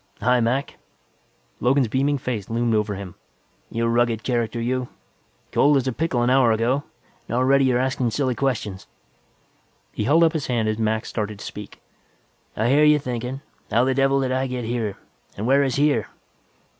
"Hi, Mac." Logan's beaming face loomed over him. "You rugged character, you. Cold as a pickle an hour ago, and already you're askin' silly questions." He held up his hand as Mac started to speak. "I hear you thinkin'. 'How the devil did I get here, and where is here?'